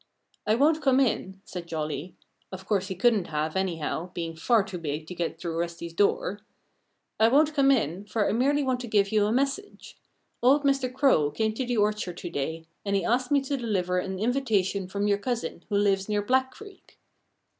"I won't come in," said Jolly (of course he couldn't have, anyhow being far too big to get through Rusty's door!). "I won't come in, for I merely want to give you a message. Old Mr. Crow came to the orchard to day and he asked me to deliver an invitation from your cousin who lives near Black Creek."